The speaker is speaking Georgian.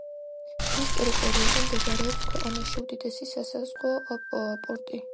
მის ტერიტორიაზე მდებარეობს ქვეყანაში უდიდესი საზღვაო პორტი.